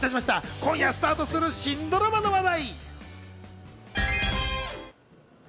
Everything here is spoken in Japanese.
今夜スタートする新ドラマの話題！